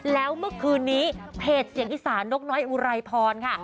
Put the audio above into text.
แล้วเมื่อคืนนี้เพจเสียงอีสานนกน้อยอุไรพรค่ะ